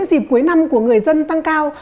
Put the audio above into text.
dịp cuối năm của người dân tăng cao